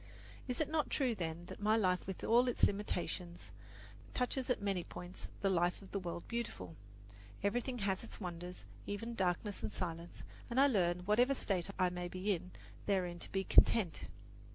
Is it not true, then, that my life with all its limitations touches at many points the life of the World Beautiful? Everything has its wonders, even darkness and silence, and I learn, whatever state I may be in, therein to be content.